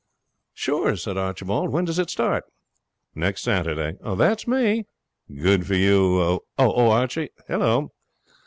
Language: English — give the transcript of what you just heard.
'Sure,' said Archibald. 'When does it start?' 'Next Saturday.' 'That's me.' 'Good for you. Oh, Archie.' 'Hello?'